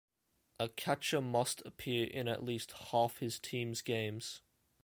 A catcher must appear in at least half his team's games.